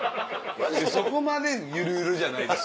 そこまでゆるゆるじゃないです。